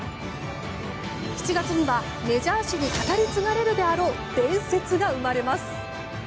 ７月にはメジャー史に語り継がれるであろう伝説が生まれます。